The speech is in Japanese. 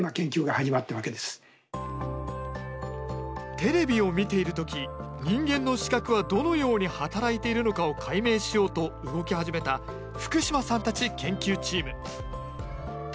テレビを見ている時人間の視覚はどのように働いているのかを解明しようと動き始めた福島さんたち研究チーム。